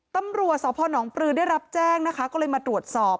ตำรวจสพนปลือได้รับแจ้งนะคะก็เลยมาตรวจสอบ